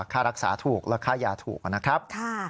ค่ารักษาถูกและค่ายาถูกนะครับ